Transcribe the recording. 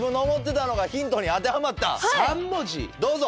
どうぞ！